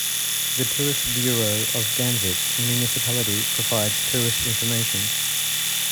The tourist bureau of Gamvik municipality provides tourist information.